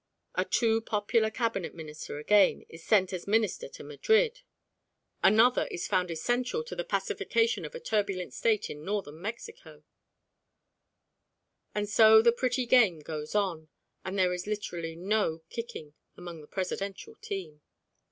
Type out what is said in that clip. A too popular Cabinet Minister, again, is sent as Minister to Madrid: another is found essential to the pacification of a turbulent State of Northern Mexico; and so the pretty game goes on, and there is literally no kicking amongst the presidential team.